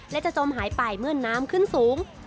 และจะจมหายไปเมื่อน้ำขึ้นสูง